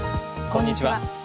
こんにちは。